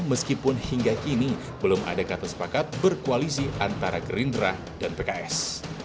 meskipun hingga kini belum ada kata sepakat berkoalisi antara gerindra dan pks